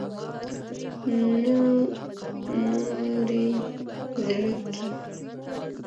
نوري زرکي